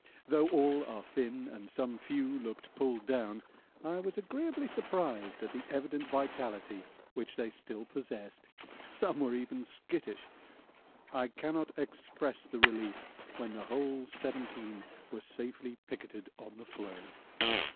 Though all are thin and some few looked pulled down I was agreeably surprised at the evident vitality which they still possessed some were even skittish. I cannot express the relief when the whole seventeen were safely picketed on the floe.